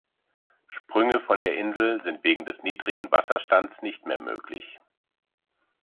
Sprünge von der Insel sind wegen des niedrigen Wasserstands nicht mehr möglich.